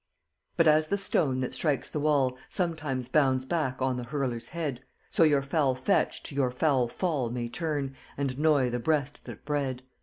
But as the stone that strikes the wall Sometimes bounds back on th' hurler's head, So your foul fetch, to your foul fall May turn, and 'noy the breast that bred.